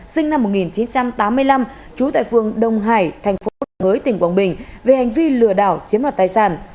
sinh năm một nghìn chín trăm tám mươi năm trú tại phường đông hải thành phố đồng hới tỉnh quảng bình về hành vi lừa đảo chiếm đoạt tài sản